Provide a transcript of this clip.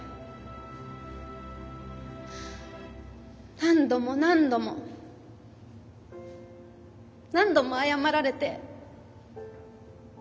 何度も何度も何度も謝られて。